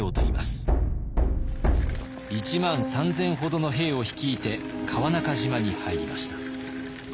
１万３，０００ほどの兵を率いて川中島に入りました。